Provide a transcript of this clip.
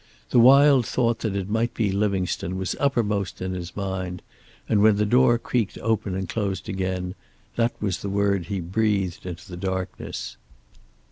The wild thought that it might be Livingstone was uppermost in his mind, and when the door creaked open and closed again, that was the word he breathed into the darkness.